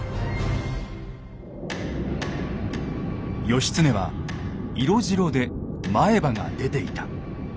義経は色白で前歯が出ていた。